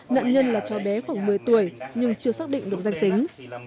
nạn nhân là cháu bé khoảng một mươi tuổi nhưng chưa xác định được danh tính